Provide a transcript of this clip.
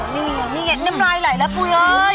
นี่นี่น้ำลายไหล่แล้วปุ๊ยเอ้ย